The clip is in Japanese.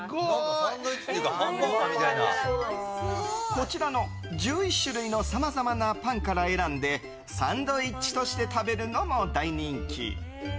こちらの１１種類のさまざまなパンから選んでサンドイッチとして食べるのも大人気。